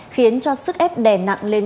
khiến cho sức ép đè nặng lên